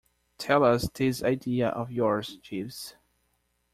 Tell us this idea of yours, Jeeves.